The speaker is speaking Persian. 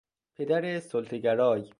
پدر سلطهگرای